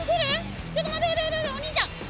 お兄ちゃん来る？